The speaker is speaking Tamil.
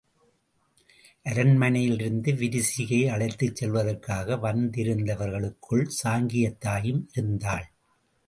அரண்மனையிலிருந்து விரிசிகையை அழைத்துச் செல்வதற்காக வந்திருந்தவர்களுக்குள் சாங்கியத்தாயும் இருந்தாள்.